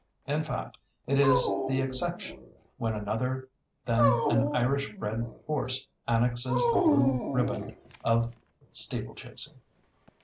In fact, it is the exception when another than an Irish bred horse annexes the blue riband of steeplechasing.